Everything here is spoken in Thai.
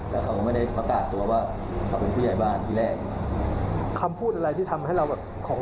แบรนด์ผมขอโทษต่อไปก็พอดีผมประมาณว่าปีนี้หมด